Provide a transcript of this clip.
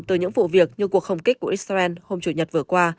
từ những vụ việc như cuộc không kích của israel hôm chủ nhật vừa qua